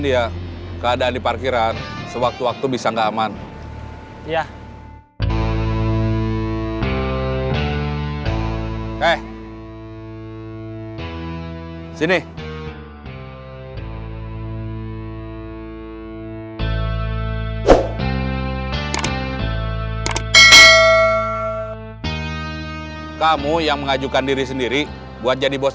iya pak siang ini kami kirim ke rumah